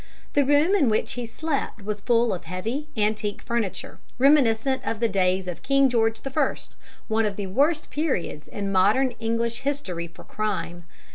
The room in which he slept was full of heavy, antique furniture, reminiscent of the days of King George I, one of the worst periods in modern English history for crime.